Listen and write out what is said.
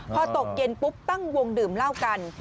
พอตกเย็นปุ๊บตั้งวงดื่มเหล้ากัน